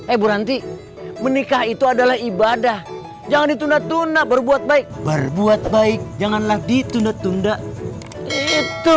ebu henti becomes ibadah jyoung itu nah tuna berbuat baik berbuat baik janganlah di tunduk tunda itu